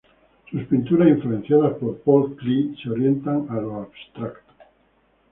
Sus pinturas, influenciadas por Paul Klee se orientan a lo abstracto.